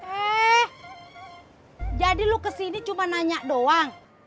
eh jadi lu kesini cuma nanya doang